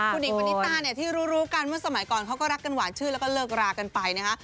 คุณหญิงปณิตาเนี่ยที่รู้รู้กันเมื่อสมัยก่อนเขาก็รักกันหวานชื่นแล้วก็เลิกรากันไปนะคะ